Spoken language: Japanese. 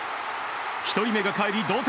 １人目がかえり、同点。